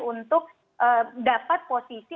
untuk dapat posisi